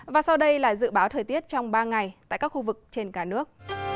và sau đây là dự báo thời tiết trong ba ngày tại các khu vực trên cả nước